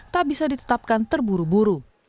tak bisa ditetapkan terburu buru